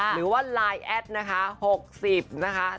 หรือว่าไลน์แอดนะคะ